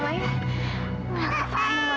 udah kava ini mama